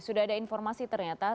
sudah ada informasi ternyata